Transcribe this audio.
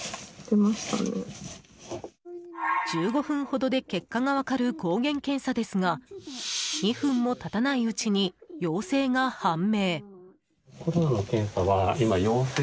１５分ほどで結果が分かる抗原検査ですが２分も経たないうちに陽性が判明。